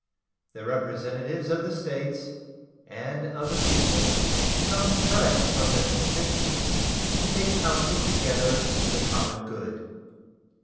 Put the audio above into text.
The representatives of the States and of the people come fresh from their constituents to take counsel together for the common good.